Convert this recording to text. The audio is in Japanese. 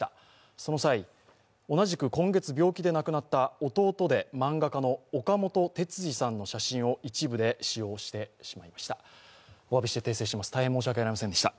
その際、同じく今月、病気で亡くなった弟で漫画家の岡本鉄二さんの写真を一部で使用してしまいました。